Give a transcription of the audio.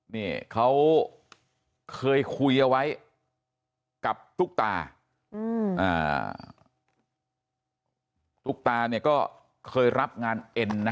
นี่เขาเคยคุยเอาไว้กับตุ๊กตาตุ๊กตาเนี่ยก็เคยรับงานเอ็นนะ